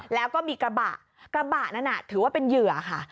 แล้วก็มีกระบะกระบะนั้นถือว่าเป็นเหยื่อค่ะ